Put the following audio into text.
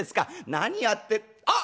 「何やってあっ！